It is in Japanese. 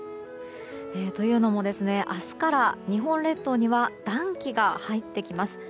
というのも明日から日本列島には暖気が入ってきます。